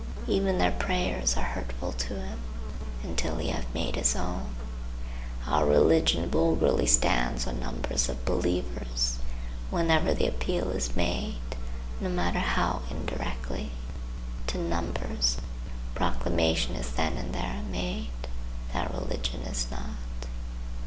Even their prayers are hurtful to him, until he have made his own. Our religion vulgarly stands on numbers of believers. Whenever the appeal is made,—no matter how indirectly,—to numbers, proclamation is then and there made that religion is not.